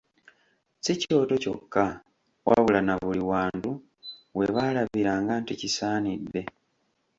Si kyoto kyokka wabula na buli wantu we baalabiranga nti kisaanidde.